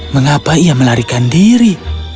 mengapa ia melarikan diri